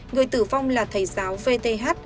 người tử vong là thầy giáo vth